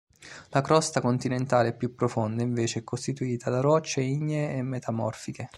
La crosta continentale più profonda, invece, è costituita da rocce ignee e metamorfiche.